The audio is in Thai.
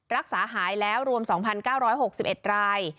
รักษาหายแล้วรวม๒๙๖๑ราย